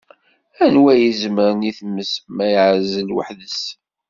Anwa i yezemren i tmes, ma yeɛzel weḥd-s?